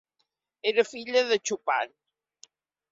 Era filla de Chupan.